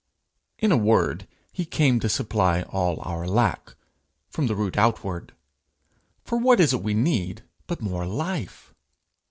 In a word, He came to supply all our lack from the root outward; for what is it we need but more life?